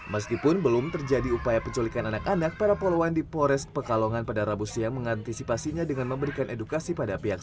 meskipun belum terjadi upaya penculikan anak anak para poluan di pores pekalongan pada rabu siang mengantisipasinya dengan memberikan edukasi pada pihak